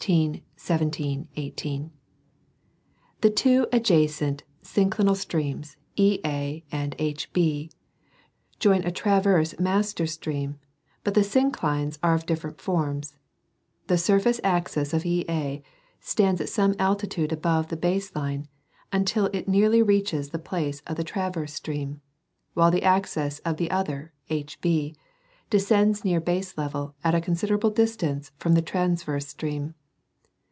16, 17, 18. Two adjacent syn clinal streams, EA and HB, join a transverse master stream, C, but the synclines are of different forms ; the surface axis of one, EA, stands at some altitude above baselevel until it nearly reaches the place of the transverse stream ; while the axis of the other, HB, descends near baselevel at a considerable distance from the transverse stream.